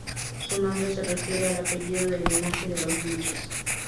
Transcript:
Su nombre se refiere al apellido del linaje de los Vilches.